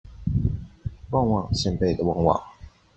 旺旺仙貝的旺旺